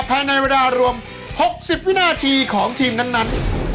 ภายในเวลารวม๖๐วินาทีของทีมนั้น